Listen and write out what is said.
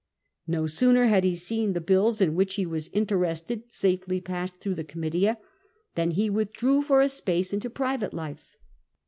Ho sooner had he seen the bills in which he was interested safely passed through the Comitia, than he withdrew for a space into private life.